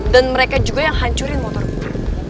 dan mereka juga yang hancurin motor gue